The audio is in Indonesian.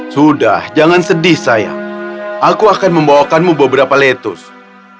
sudah jangan sedih saya aku akan membawakanmu beberapa lettuce